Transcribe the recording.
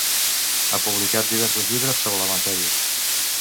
Ha publicat diversos llibres sobre la matèria.